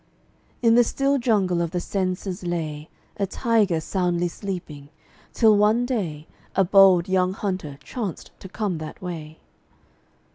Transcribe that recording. In the still jungle of the senses lay A tiger soundly sleeping, till one day A bold young hunter chanced to come that way.